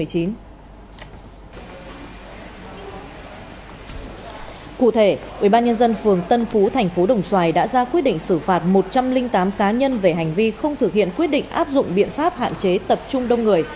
cụ thể ubnd tp đồng xoài đã ra quyết định xử phạt một trăm linh tám cá nhân về hành vi không thực hiện quyết định áp dụng biện pháp hạn chế tập trung đông người